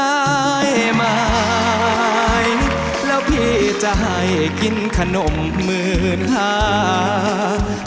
มายมายแล้วพี่จะให้กินขนมหมื่นหา